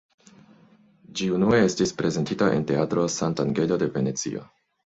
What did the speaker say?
Ĝi unue estis prezentita en Teatro Sant'Angelo de Venecio.